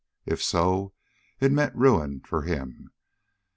If so, it meant ruin for him.